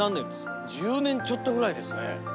１０年ちょっとぐらいですね。